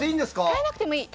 変えなくてもいい。